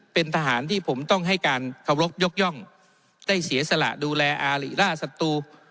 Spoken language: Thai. เป็นทหารที่ผมต้องให้การเคารพยกย่องได้เสียสละดูแลอาหิล่าสัตรู